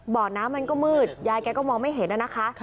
บ่อน้ำมันก็มืดยายแกก็มองไม่เห็นนะคะ